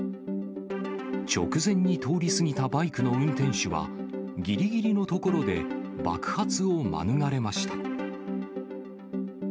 直前に通り過ぎたバイクの運転手は、ぎりぎりのところで爆発を免れました。